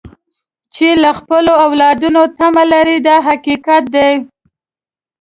چې له خپلو اولادونو یې تمه لرئ دا حقیقت دی.